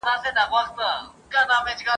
غم ته به مي شا سي، وايي بله ورځ !.